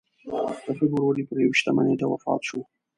د فبروري پر یوویشتمه نېټه وفات شو.